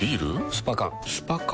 スパ缶スパ缶？